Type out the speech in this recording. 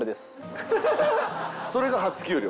それが初給料？